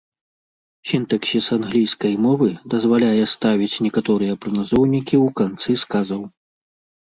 Сінтаксіс англійскай мовы дазваляе ставіць некаторыя прыназоўнікі ў канцы сказаў.